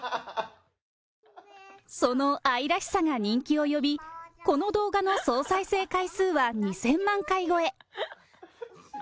その愛らしさが人気を呼び、この動画の総再生回数は２０００万回超え。